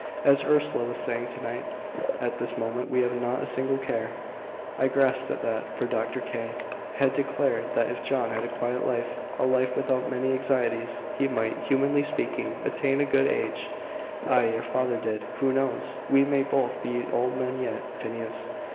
As Ursula was saying to night, at this moment we have not a single care." I grasped at that, for Dr. K had declared that if John had a quiet life a life without many anxieties he might, humanly speaking, attain a good old age. "Ay, your father did. Who knows? we may both be old men yet, Phineas."